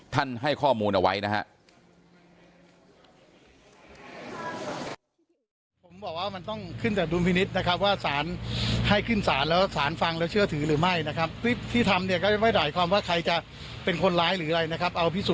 ให้ข้อมูลเอาไว้นะครับ